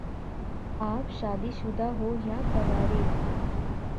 آپ شادی شدہ ہو یا کنوارہ؟